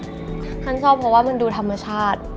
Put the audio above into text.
ท่านชอบเพราะว่ามันดูธรรมชาติ